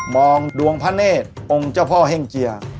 มองดวงพระเนธองค์เจ้าพ่อแห่งเจีย